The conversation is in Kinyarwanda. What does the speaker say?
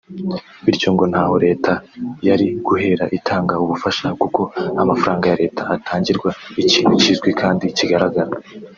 bityo ngo ntaho Leta yari guhera itanga ubufasha kuko amafaranga ya Leta atangirwa ikintu kizwi kandi kigaragara